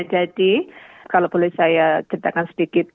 jadi kalau boleh saya ceritakan sebagainya